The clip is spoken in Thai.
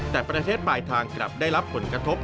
แต่ประเทศปลายทางกลับได้รับผลกระทบ